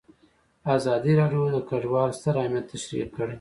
ازادي راډیو د کډوال ستر اهميت تشریح کړی.